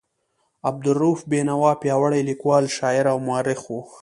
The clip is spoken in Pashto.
عبدالرؤف بېنوا پیاوړی لیکوال، شاعر او مورخ و.